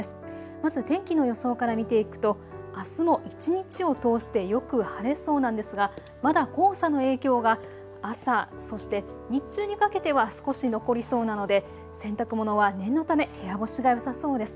まず天気の予想から見ていくとあすも一日を通してよく晴れそうなんですがまだ黄砂の影響が朝、そして日中にかけては少し残りそうなので洗濯物は念のため部屋干しがよさそうです。